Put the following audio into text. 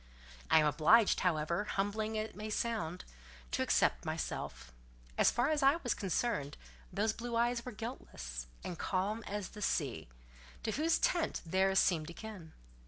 I am obliged, however humbling it may sound, to except myself: as far as I was concerned, those blue eyes were guiltless, and calm as the sky, to whose tint theirs seemed akin.